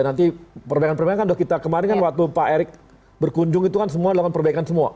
nanti perbaikan perbaikan kan sudah kita kemarin kan waktu pak erick berkunjung itu kan semua delapan perbaikan semua